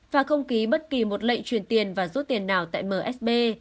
và không ký bất kỳ một lệnh truyền tiền và rút tiền nào tại msb